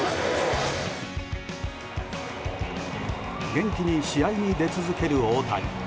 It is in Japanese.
元気に試合に出続ける大谷。